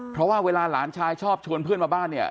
เพราะว่าเวลาหลานชายชอบชวนเพื่อนมาบ้านเนี่ย